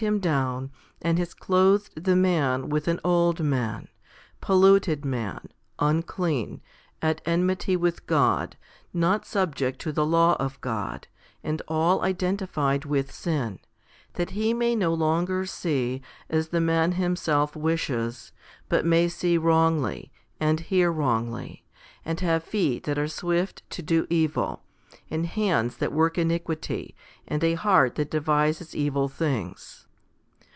12 HOMILY II 13 down, and has clothed the man with an "old man," polluted man, unclean, at enmity with God, not subject to the law of God, 1 and all identified with sin, that he may no longer see as the man himself wishes, but may see wrongly, and hear wrongly, and have feet that are swift to do evil, and hands that work iniquity, and a heart that devises evil things.